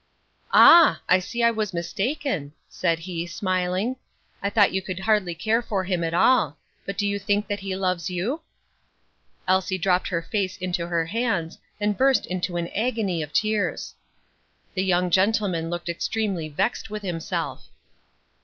"Ah! I see I was mistaken," said he, smiling; "I thought you could hardly care for him at all; but do you think that he loves you?" Elsie dropped her face into her hands, and burst into an agony of tears. The young gentleman looked extremely vexed with himself.